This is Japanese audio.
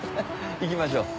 行きましょう。